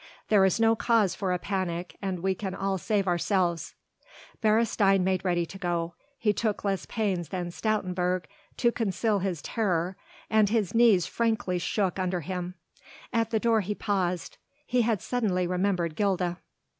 There is no cause for a panic and we can all save ourselves." Beresteyn made ready to go. He took less pains than Stoutenburg to conceal his terror and his knees frankly shook under him. At the door he paused. He had suddenly remembered Gilda.